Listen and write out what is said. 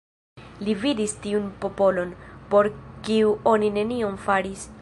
Li vidis tiun popolon, por kiu oni nenion faris.